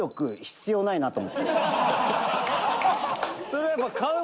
それはやっぱ」